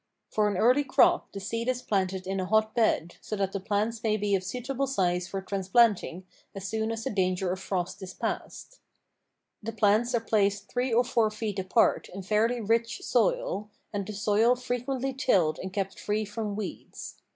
For an early crop the seed is planted in a hot bed, so that the plants may be of suitable size for transplanting as soon as the danger of frost is past. The plants are placed three or four feet apart in fairly rich soil and the soil frequently tilled and kept free from weeds.